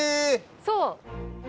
そう！